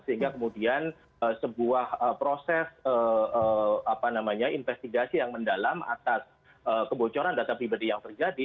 sehingga kemudian sebuah proses investigasi yang mendalam atas kebocoran data pribadi yang terjadi